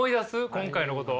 今回のことを。